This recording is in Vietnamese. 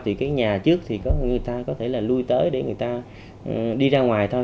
thì cái nhà trước thì người ta có thể là lui tới để người ta đi ra ngoài thôi